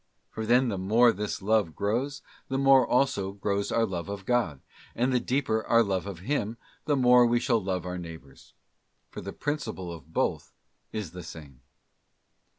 For then the more this love grows, the more also grows our love of God, and the deeper our love of Him the more we shall love our neighbour: for the principle of both is the same.